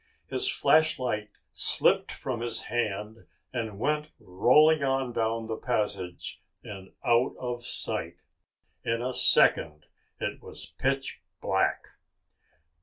His flashlight slipped from his hand and went rolling on down the passage and out of sight. In a second it was pitch black.